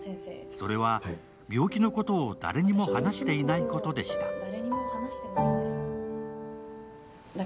それは病気のことを誰にも話していないことでした。